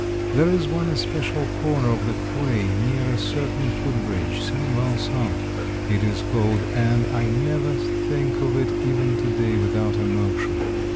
There is one especial corner of the quay, near a certain footbridge. Saint Vincent, it is called, and I never think of it, even to day, without emotion.